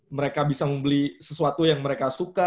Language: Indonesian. mereka bisa membeli sesuatu yang mereka suka